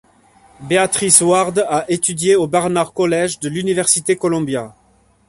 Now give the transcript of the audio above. Beatrice Warde a étudié au Barnard College de l'Université Columbia.